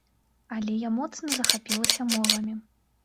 Але я моцна захапілася мовамі.